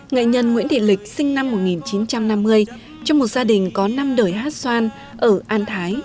nghệ nhân nguyễn thị lịch sinh năm một nghìn chín trăm năm mươi trong một gia đình có năm đời hát xoan ở an thái